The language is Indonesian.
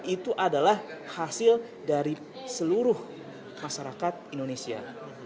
itu adalah hasil dari seluruh masyarakat indonesia